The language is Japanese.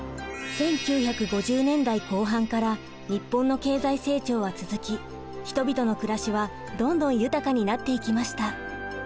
１９５０年代後半から日本の経済成長は続き人々の暮らしはどんどん豊かになっていきました。